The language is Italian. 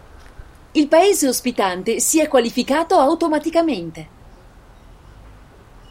Il paese ospitante si è qualificato automaticamente.